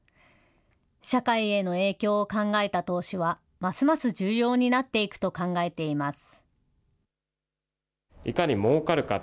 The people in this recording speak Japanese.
社会への影響を考えた投資は、ますます重要になっていくと考えています。